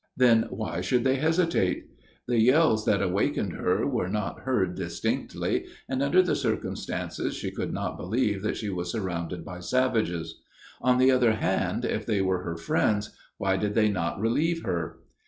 Then why should they hesitate? The yells that awakened her were not heard distinctly, and under the circumstances she could not believe that she was surrounded by savages. On the other hand, if they were her friends, why did they not relieve her?